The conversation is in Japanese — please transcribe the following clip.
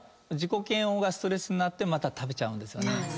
自己嫌悪がストレスになってまた食べちゃうんですよね。